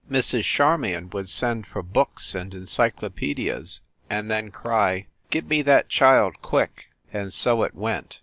Mrs. Charmion would send for books and encyclopedias, and then cry, "Give me that child quick !" And so it went.